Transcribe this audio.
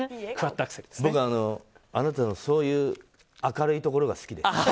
あなたのそういう明るいところが好きです。